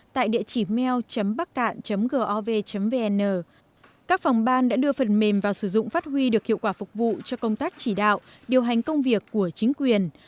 tại địa chỉ mail bắc cạn gov vn các phòng ban đã đưa phần mềm vào sử dụng phát huy được hiệu quả phục vụ cho công tác chỉ đạo điều hành công việc của chính quyền